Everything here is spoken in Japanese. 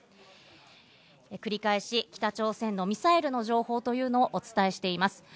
繰り返し、北朝鮮のミサイルの情報というのをお伝えしています。